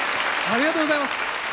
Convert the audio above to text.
ありがとうございます。